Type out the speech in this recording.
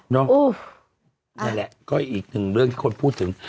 นั่นแหละก็อีกหนึ่งเรื่องที่คนพูดถึง